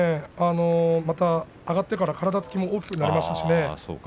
上がってから体つきも大きくなりましたしね。